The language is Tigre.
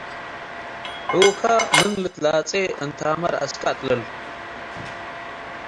. ሑከ ምን ልትላጼ። እንታመ ረአስከ አጥልል፣